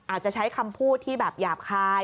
อาจจะใช้คำพูดที่แบบหยาบคาย